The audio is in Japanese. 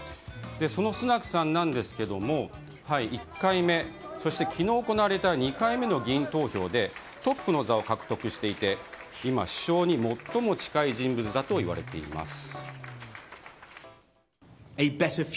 そのスナクさんですが１回目、そして昨日行われた２回目の議員投票でトップの座を獲得していて今、首相に最も近い人物だといわれています。